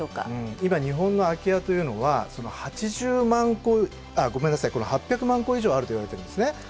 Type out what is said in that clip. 今、日本の空き家っていうのは８００万戸以上あるといわれてるんですね。